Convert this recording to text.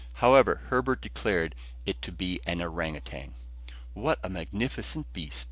However, Herbert declared it to be an orang outang. "What a magnificent beast!"